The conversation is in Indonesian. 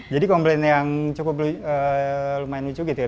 jadi komplain yang cukup lumayan lucu gitu ya